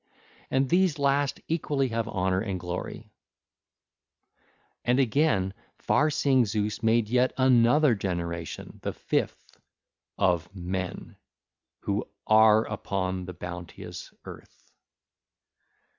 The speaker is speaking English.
And these last equally have honour and glory. (ll. 169c 169d) And again far seeing Zeus made yet another generation, the fifth, of men who are upon the bounteous earth.